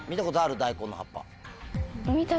大根の葉っぱ。